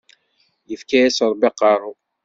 Yefka-yas rebbi aqerru.